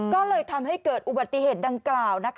ก็เลยทำให้เกิดอุบัติเหตุดังกล่าว